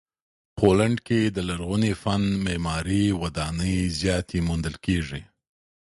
پولنډ کې د لرغوني فن معماري ودانۍ زیاتې موندل کیږي.